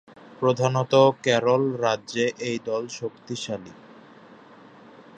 প্রধানত কেরল রাজ্যে এই দল শক্তিশালী।